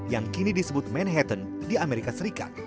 yang kini disebut manhattan di amerika serikat